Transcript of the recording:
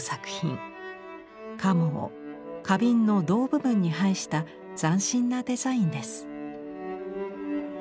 カモを花瓶の胴部分に配した斬新なデザインです。